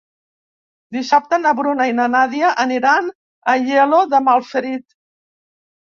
Dissabte na Bruna i na Nàdia aniran a Aielo de Malferit.